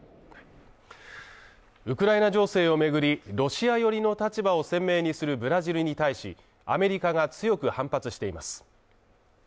ウクライナ情勢を巡り、ロシア寄りの立場を鮮明にするブラジルに対し、アメリカが強く反発しています。